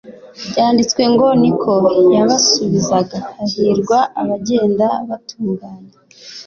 Byanditswe ngo, niko yabasubizaga, “Hahirwa abagenda batunganye,